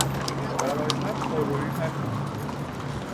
برای من پر رویی نکن!